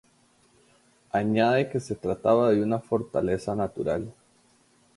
Añade que se trataba de una fortaleza natural.